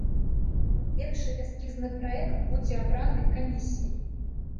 Лепшы эскізны праект будзе абраны камісіяй.